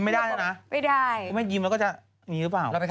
แล้วถ้าเอากำลังไข่ก็